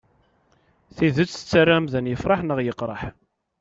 Tidet tettarra amdan yefreḥ neɣ yeqreḥ.